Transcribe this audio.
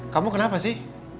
kamu kenapa sih